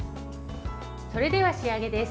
それでは、仕上げです。